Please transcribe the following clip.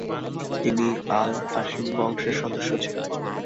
তিনি আল-হাশিম বংশের সদস্য ছিলেন।